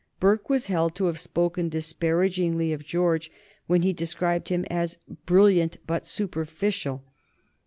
Burke was held to have spoken disparagingly of George when he described him as "brilliant but superficial."